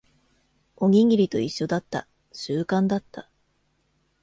おにぎりと一緒だった。習慣だった。